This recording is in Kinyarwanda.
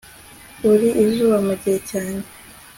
uri izuba mu gihe cyanjye